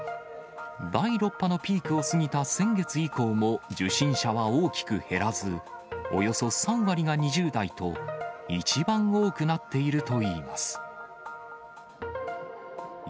第６波のピークを過ぎた先月以降も、受診者は大きく減らず、およそ３割が２０代と、一番多くなってい